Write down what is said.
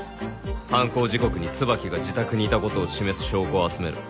犯行時刻に椿が自宅にいたことを示す証拠を集めろ。